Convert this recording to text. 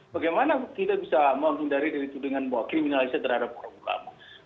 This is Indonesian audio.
bagaimana kita bisa memindari dari tuduhan bahwa kriminalisasi terhadap para ulama